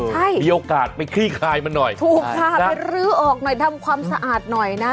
ใช่มีโอกาสไปคลี่คลายมันหน่อยถูกค่ะไปรื้อออกหน่อยทำความสะอาดหน่อยนะ